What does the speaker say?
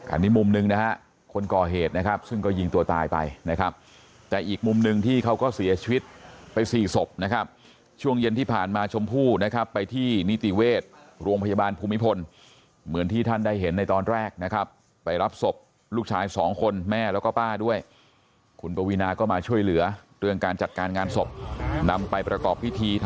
อันนี้มุมหนึ่งนะฮะคนก่อเหตุนะครับซึ่งก็ยิงตัวตายไปนะครับแต่อีกมุมหนึ่งที่เขาก็เสียชีวิตไปสี่ศพนะครับช่วงเย็นที่ผ่านมาชมพู่นะครับไปที่นิติเวชโรงพยาบาลภูมิพลเหมือนที่ท่านได้เห็นในตอนแรกนะครับไปรับศพลูกชายสองคนแม่แล้วก็ป้าด้วยคุณปวีนาก็มาช่วยเหลือเรื่องการจัดการงานศพนำไปประกอบพิธีท